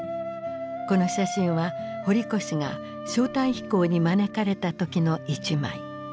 この写真は堀越が招待飛行に招かれた時の一枚。